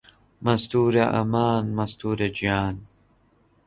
مەستوورە ئەمان مەستوورە گیان